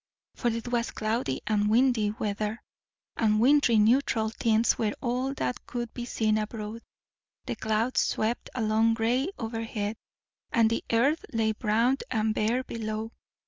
For it was cloudy and windy weather, and wintry neutral tints were all that could be seen abroad; the clouds swept along grey overhead, and the earth lay brown and bare below.